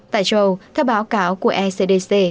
tại châu âu theo báo cáo của ecdc